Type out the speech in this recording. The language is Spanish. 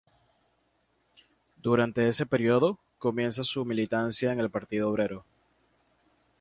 Durante ese periodo, comienza su militancia en el Partido Obrero.